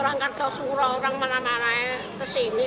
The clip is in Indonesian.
dan anak anak suka dan selalu didangganin setiap bubur samit